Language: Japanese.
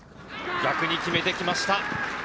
逆に決めてきました！